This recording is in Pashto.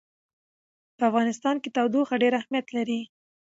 په افغانستان کې تودوخه ډېر اهمیت لري.